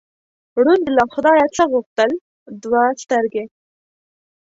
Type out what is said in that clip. ړوند له خدایه څه غوښتل؟ دوه سترګې.